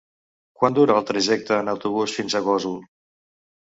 Quant dura el trajecte en autobús fins a Gósol?